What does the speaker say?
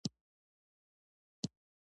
خبره د مسألې په توضیح کې ده.